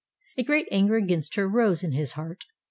A great anger against her rose in his heart.